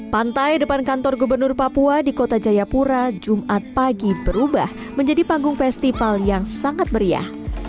pantai depan kantor gubernur papua di kota jayapura jumat pagi berubah menjadi panggung festival yang sangat meriah